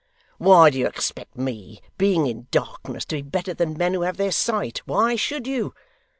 Why do you expect me, being in darkness, to be better than men who have their sight why should you?